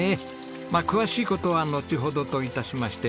まあ詳しい事はのちほどと致しまして。